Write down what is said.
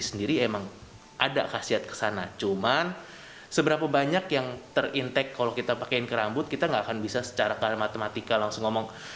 sendiri emang ada khasiat kesana cuman seberapa banyak yang terintek kalau kita pakaiin ke rambut kita nggak akan bisa secara matematika langsung ngomong